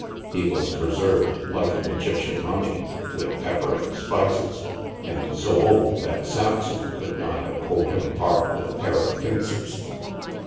He was preserved like an Egyptian mummy, with pepper and spices, and so old that Samson could not have pulled him apart with a pair of pincers.